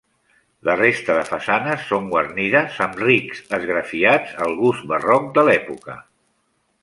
La resta de façanes són guarnides amb rics esgrafiats al gust barroc de l'època.